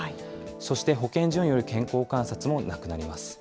そして保健所による健康観察もなくなります。